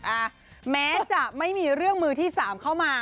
อ่าแม้จะไม่มีเรื่องมือที่สามเข้ามา